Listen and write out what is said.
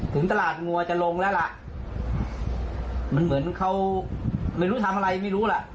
ถึงตลาดวัวจะลงแล้วล่ะมันเหมือนเขาไม่รู้ทำอะไรไม่รู้ล่ะ